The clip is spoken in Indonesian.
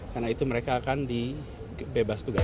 karena itu mereka akan dibebas tugas